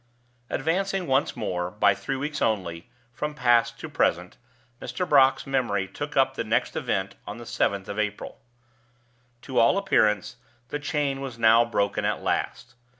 Advancing once more, by three weeks only, from past to present, Mr. Brock's memory took up the next event on the seventh of April. To all appearance, the chain was now broken at last.